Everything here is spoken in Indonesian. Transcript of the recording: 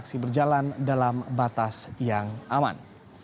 masih berjalan dalam batas yang aman